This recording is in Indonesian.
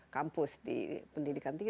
kampus di pendidikan tinggi